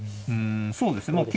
うんそうですね